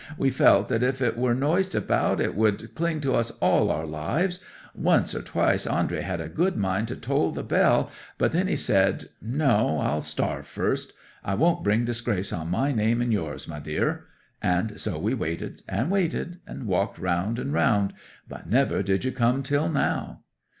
"We felt that if it were noised abroad it would cling to us all our lives! Once or twice Andrey had a good mind to toll the bell, but then he said: "No; I'll starve first. I won't bring disgrace on my name and yours, my dear." And so we waited and waited, and walked round and round; but never did you come till now!"